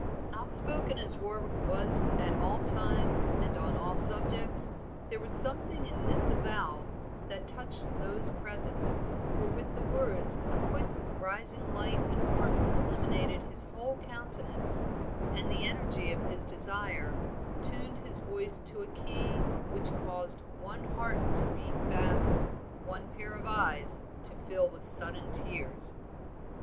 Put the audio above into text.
Outspoken as Warwick was at all times and on all subjects, there was something in this avowal that touched those present, for with the words a quick rising light and warmth illuminated his whole countenance, and the energy of his desire tuned his voice to a key which caused one heart to beat fast, one pair of eyes to fill with sudden tears.